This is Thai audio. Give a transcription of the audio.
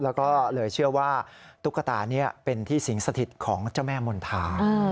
แล้วก็เลยเชื่อว่าตุ๊กตานี้เป็นที่สิงสถิตของเจ้าแม่มณฑา